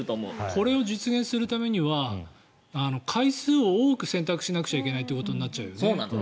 これを実現するためには回数を多く洗濯しなくちゃいけないことになっちゃうよね。